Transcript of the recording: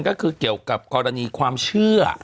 ก็คือเกี่ยวกับกรณีความเชื่อ